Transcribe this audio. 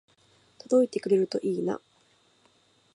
届いてくれるといいな